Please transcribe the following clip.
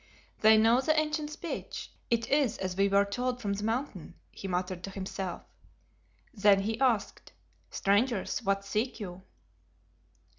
"They know the ancient speech; it is as we were told from the Mountain," he muttered to himself. Then he asked "Strangers, what seek you?"